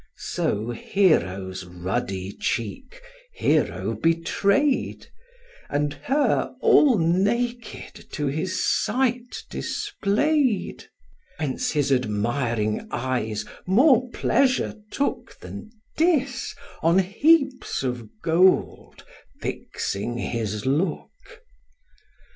So Hero's ruddy cheek Hero betray'd, And her all naked to his sight display'd: Whence his admiring eyes more pleasure took Than Dis, on heaps of gold fixing his look.